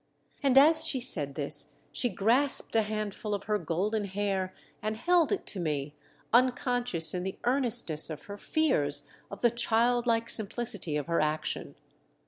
and as she said this she grasped a handful oi her golden hair and held it to me, uncon scious in the earnestness of her fears of the child like simplicity of her action.